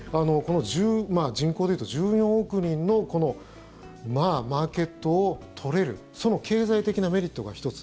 人口でいうと１４億人のこのマーケットを取れるその経済的なメリットが１つ。